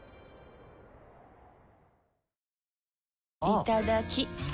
いただきっ！